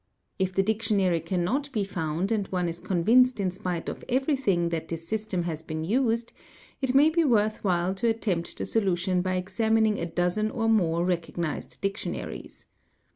If the : dictionary cannot be found and one is convinced in spite of everything / that this system has been used, it may be worth while to attempt the 8 olution by examining a dozen or more recognised dictionaries.